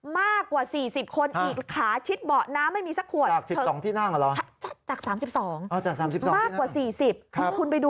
มากกว่า๔๐คนอีกค่ะชิดเบาะน้ำไม่มีสักขวด